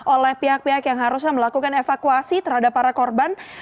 oleh pihak pihak yang harusnya melakukan evakuasi terhadap para korban